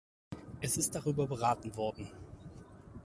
Es ist darüber beraten worden.